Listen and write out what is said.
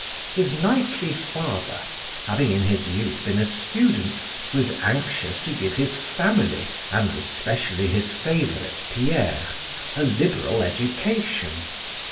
His knightly father, having in his youth been a student, was anxious to give his family, and especially his favorite Pierre, a liberal education.